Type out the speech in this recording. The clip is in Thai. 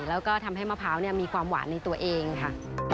แล้วก็ทำให้มะพร้าวมีความหวานในตัวเองค่ะ